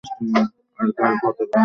আর কার পতাকা আছে?